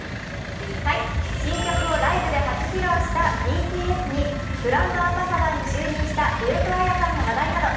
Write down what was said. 新曲をライブで初披露したＢＴＳにブランドアンバサダーに就任した上戸彩さんの情報など、